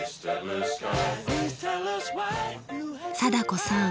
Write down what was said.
貞子さん